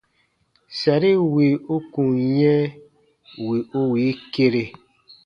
Sari wì u kun yɛ̃ wì u wii kere.